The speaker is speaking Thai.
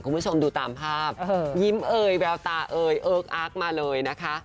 คุณผู้ชมดูตามภาพยิ้มเอ่ยแววตาเอ่ยเอิ๊กอาร์กมาเลยนะคะ